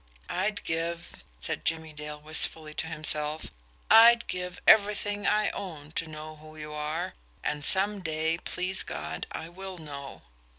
"I'd give," said Jimmie Dale wistfully to himself "I'd give everything I own to know who you are and some day, please God, I will know."